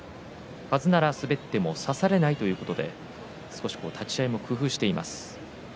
はずならすべてを差されないということで少し立ち合いを工夫しています。